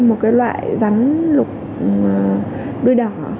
một loại rắn lục đuôi đỏ